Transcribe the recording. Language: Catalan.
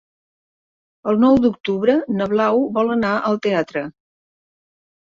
El nou d'octubre na Blau vol anar al teatre.